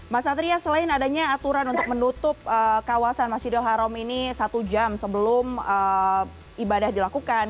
mas satria selain adanya aturan untuk menutup kawasan masjidil haram ini satu jam sebelum ibadah dilakukan